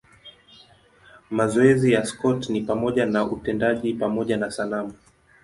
Mazoezi ya Scott ni pamoja na utendaji pamoja na sanamu.